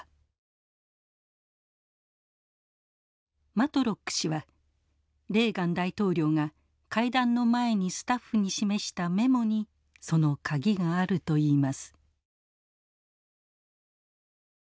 マトロック氏はレーガン大統領が会談の前にスタッフに示したメモにその鍵があるといいます。